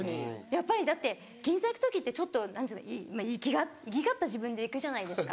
やっぱりだって銀座行く時ってちょっと粋がった自分で行くじゃないですか。